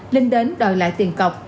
linh đến đòi lại tiền cọc